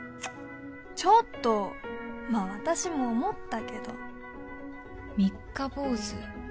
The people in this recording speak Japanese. ちょっとまあ私も思ったけど三日坊主